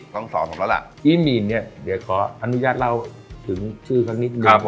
ต้องสอนผมแล้วล่ะพี่มีนเนี่ยเดี๋ยวขออนุญาตเล่าถึงชื่อเขานิดนึง